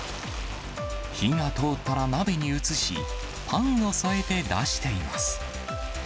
火が通ったら鍋に移し、パンを添えて出しています。